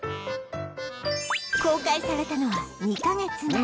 公開されたのは２カ月前